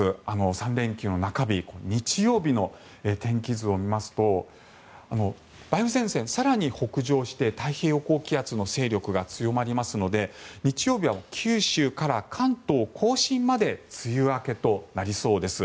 ３連休の中日日曜日の天気図を見ますと梅雨前線が更に北上して太平洋高気圧の勢力が強まりますので日曜日は九州から関東・甲信まで梅雨明けとなりそうです。